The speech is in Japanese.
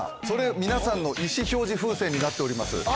それ皆さんの意思表示風船になっております